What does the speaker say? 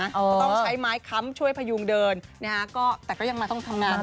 ต้องใช้ไม้ค้ำช่วยพยุงเดินแต่ก็ยังมาต้องทำงานนะ